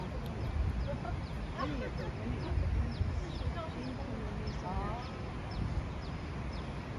Many of the winning independents came from the Mizo National Front.